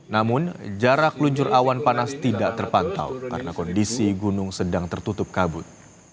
namun jarak luncur awan panas tidak terpantau karena kondisi gunung sedang tertutup kabut